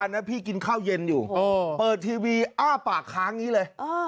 อันนั้นพี่กินข้าวเย็นอยู่โอ้เปิดทีวีอ้าปากค้างี้เลยอ้า